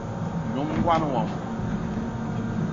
Nyom ngón wmo